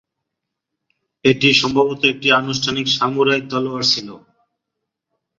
এটি সম্ভবত একটি আনুষ্ঠানিক সামুরাই তলোয়ার ছিল।